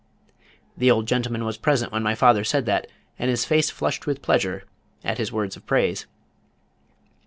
The old gentleman was present when my father said that, and his face flushed with pleasure at his words of praise.